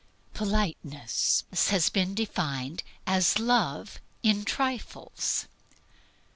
Politeness has been defined as love in trifles.